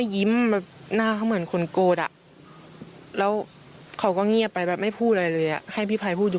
เขาเห็นเขาเดินมาไหนออกมาเลย